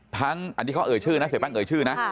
ทั้งอันนี้เขาเอ่ยชื่อนะเสียแป้งเอ่ยชื่อนะ